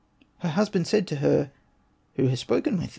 Her husband said to her, ''Who has spoken with thee.